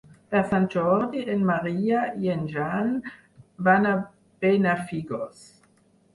Per Sant Jordi en Maria i en Jan van a Benafigos.